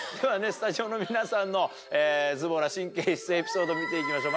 スタジオの皆さんのズボラ神経質エピソード見ていきましょう